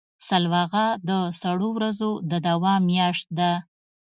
سلواغه د سړو ورځو د دوام میاشت ده.